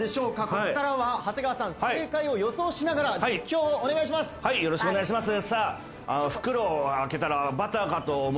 ここからは長谷川さん正解を予想しながら実況お願いします。